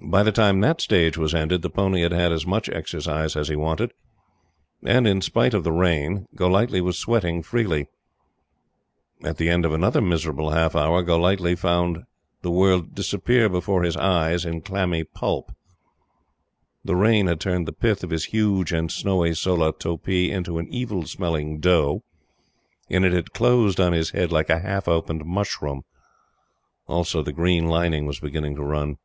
By the time that stage was ended, the pony had had as much exercise as he wanted, and, in spite of the rain, Golightly was sweating freely. At the end of another miserable half hour, Golightly found the world disappear before his eyes in clammy pulp. The rain had turned the pith of his huge and snowy solah topee into an evil smelling dough, and it had closed on his head like a half opened mushroom. Also the green lining was beginning to run.